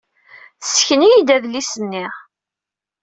Tessken-iyi-d adlis-nni.